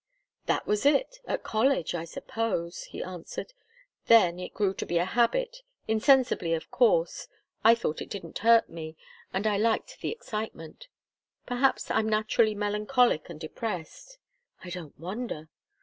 "That was it at college, I suppose," he answered. "Then it grew to be a habit insensibly, of course. I thought it didn't hurt me and I liked the excitement. Perhaps I'm naturally melancholic and depressed." "I don't wonder!"